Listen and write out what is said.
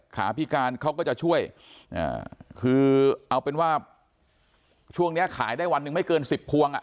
ขาพิการเขาก็จะช่วยคือเอาเป็นว่าช่วงเนี้ยขายได้วันหนึ่งไม่เกินสิบพวงอ่ะ